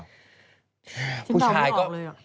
ฮึพ่อชายก็ที่น้องตาไม่ออกเลย